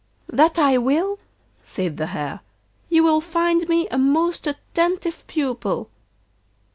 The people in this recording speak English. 'That I will,' said the Hare, 'you will find me a most attentive pupil.